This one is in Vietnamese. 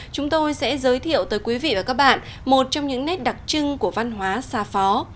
chúng tôi sẽ giới thiệu tới quý vị và các bạn một trong những nét đặc trưng của văn hóa xa phó